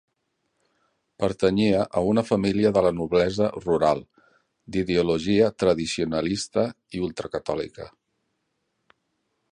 Pertanyia a una família de la noblesa rural, d'ideologia tradicionalista i ultracatòlica.